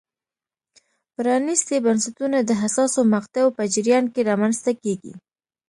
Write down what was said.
پرانیستي بنسټونه د حساسو مقطعو په جریان کې رامنځته کېږي.